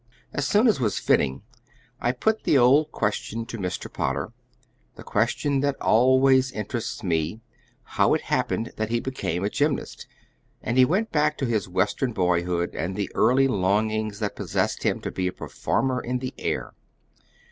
As soon as was fitting, I put the old question to Mr. Potter, the question that always interests me, how it happened that he became a gymnast, and he went back to his Western boyhood and the early longings that possessed him to be a performer in the air.